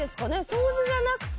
掃除じゃなくて。